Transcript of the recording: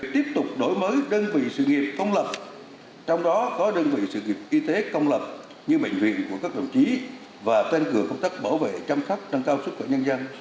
tiếp tục đổi mới đơn vị sự nghiệp công lập trong đó có đơn vị sự nghiệp y tế công lập như bệnh viện của các đồng chí và tăng cường công tác bảo vệ chăm sóc nâng cao sức khỏe nhân dân